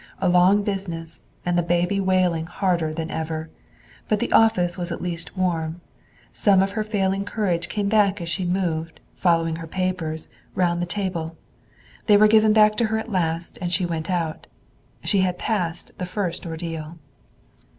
A long business, and the baby wailing harder than ever. But the office was at least warm. Some of her failing courage came back as she moved, following her papers, round the table. They were given back to her at last, and she went out. She had passed the first ordeal.